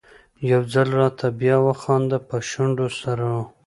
يو ځل راته بیا وخانده په شونډو سرو